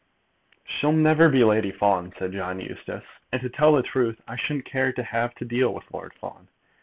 "She'll never be Lady Fawn," said John Eustace. "And to tell the truth, I shouldn't care to have to deal with Lord Fawn.